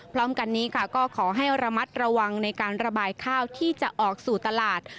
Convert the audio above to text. พร้อมกันนี้ค่ะก็ขอให้ระมัดระวังในการระบายข้าวที่จะออกสู่ตลาด